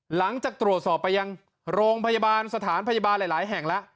หลังจากตรวจสอบไปยังโรงพยาบาลสถานพยาบาลหลายแห่งแล้ว